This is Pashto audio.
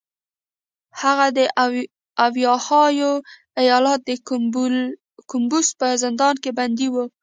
هغه د اوهایو ایالت د کولمبوس په زندان کې بندي و